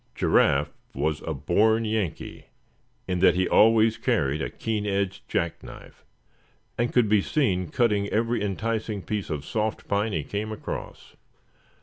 Giraffe was a born Yankee in that he always carried a keen edged jack knife, and could be seen cutting every enticing piece of soft pine he came across.